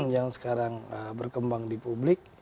yang sekarang berkembang di publik